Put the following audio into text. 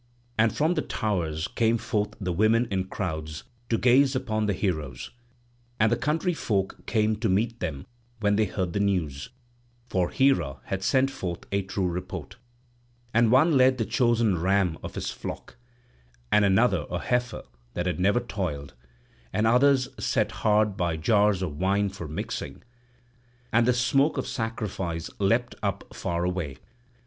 And from the towers came forth the women in crowds to gaze upon the heroes; and the country folk came to meet them when they heard the news, for Hera had sent forth a true report. And one led the chosen ram of his flock, and another a heifer that had never toiled; and others set hard by jars of wine for mixing; and the smoke of sacrifice leapt up far away.